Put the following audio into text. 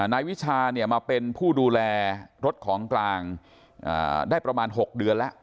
นายวิชามาเป็นผู้ดูแลรถของกลางได้ประมาณ๖เดือนแล้ว